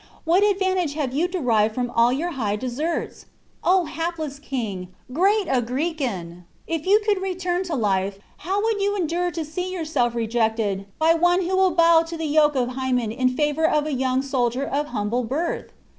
What advantage have you derived from all your high deserts? O hapless king, great Agrican! if you could return to life, how would you endure to see yourself rejected by one who will bow to the yoke of Hymen in favor of a young soldier of humble birth?